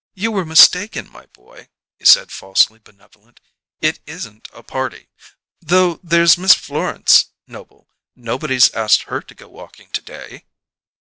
"You were mistaken, my boy," he said, falsely benevolent. "It isn't a party though there's Miss Florence, Noble. Nobody's asked her to go walking to day!"